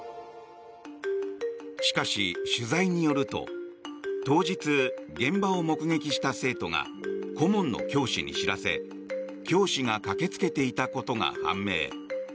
しかし、取材によると当日、現場を目撃した生徒が顧問の教師に知らせ教師が駆けつけていたことが判明。